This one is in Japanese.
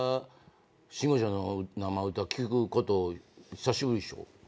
慎吾ちゃんの生歌聴くこと久しぶりでしょ？